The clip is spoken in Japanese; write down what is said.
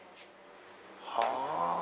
はあ。